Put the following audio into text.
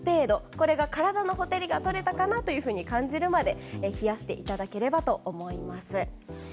これが体のほてりがとれたかなと感じるまで冷やしていただければと。